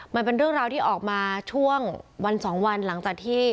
มันเป็นเรื่องราวที่ออกมาช่วงวันสองวันหลังจากที่